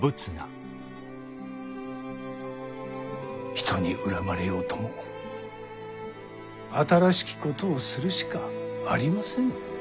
人に恨まれようとも新しきことをするしかありません。